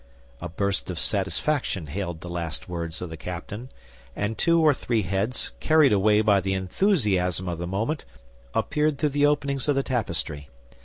A burst of satisfaction hailed the last words of the captain; and two or three heads, carried away by the enthusiasm of the moment, appeared through the openings of the tapestry.